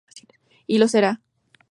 Y lo será.